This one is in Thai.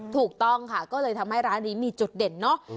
ถูกต้องค่ะก็เลยทำให้ร้านนี้มีจุดเด่นเนาะ